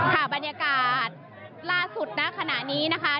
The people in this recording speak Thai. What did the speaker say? ค่ะบรรยากาศล่าสุดณขณะนี้นะคะ